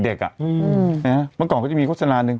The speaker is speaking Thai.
เห็นไหมว่าวันก่อนก็จะมีโฆษณาหนึ่ง